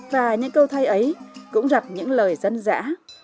và những câu thay ấy cũng gặp những lời dân dã